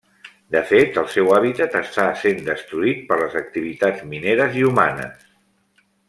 De fet, el seu hàbitat està essent destruït per les activitats mineres i humanes.